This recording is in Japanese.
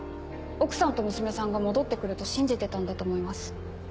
奥さんと娘さんが戻って来ると信じてたんだと思います。